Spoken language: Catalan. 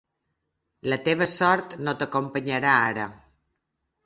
La teva sort no t'acompanyarà ara.